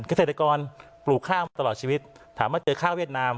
เกษตรกรปลูกข้าวมาตลอดชีวิตถามว่าเจอข้าวเวียดนาม